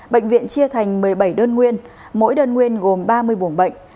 bệnh viện chia thành một mươi bảy đơn nguyên mỗi đơn nguyên gồm ba mươi buồng bệnh